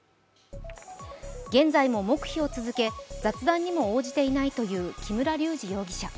現在も黙秘を続け、雑談にも応じていないという木村隆二容疑者。